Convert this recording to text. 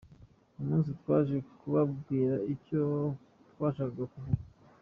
Uyu munsi twaje kubabwira icyo twashakaga kuvuga.